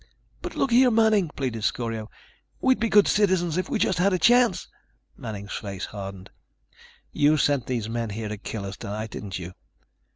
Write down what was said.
"But look here, Manning," pleaded Scorio, "we'd be good citizens if we just had a chance." Manning's face hardened. "You sent these men here to kill us tonight, didn't you?"